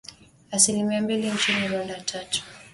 Asilimia mbili nchini Rwanda, tatu